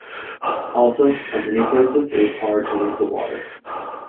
Also, at many places it was hard to leave the water.